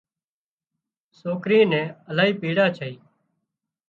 سوڪري نين الاهي پيڙا ڇئي